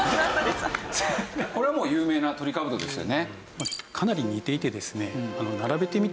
これはもう有名なトリカブトですよね。